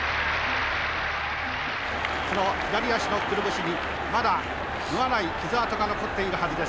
その左足のくるぶしにまだ縫わない傷痕が残っているはずです。